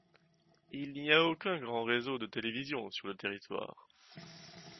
Il n'y a aucun grand réseau de télévision sur le territoire.